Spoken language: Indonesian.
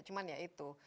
cuman ya itu